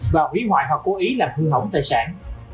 và hủy hoại hoặc cố ý làm hư hỏng tài sản